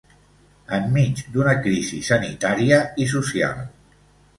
En mig d'una crisis sanitària i social.